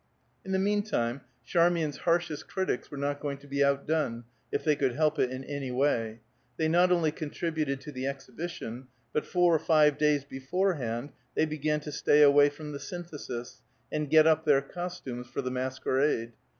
In the mean time Charmian's harshest critics were not going to be outdone, if they could help it, in any way; they not only contributed to the exhibition, but four or five days beforehand they began to stay away from the Synthesis, and get up their costumes for the masquerade.